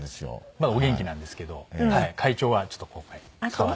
まだお元気なんですけど会長はちょっと今回代わって。